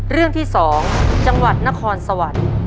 เรื่องที่๒จังหวัดนครสวรรค์